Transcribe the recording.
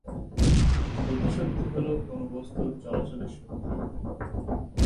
গতিশক্তি হলো কোনও বস্তুর চলাচলের শক্তি।